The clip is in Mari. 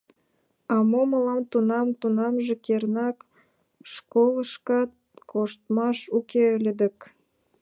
А мо мылам тунам, тунамже, кернак, школышкат коштмаш уке ыле дык...